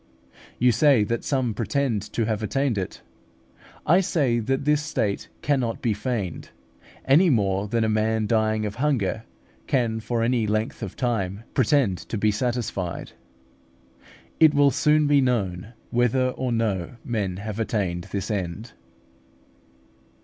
You say that some pretend to have attained it. I say that this state cannot be feigned, any more than a man dying of hunger can for any length of time pretend to be satisfied. It will soon be known whether or no men have attained this end.